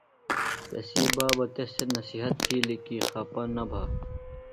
تسی بابہ تس تھےۡ نصیحت تِھیلیۡ کی خپہ نہ بھہ۔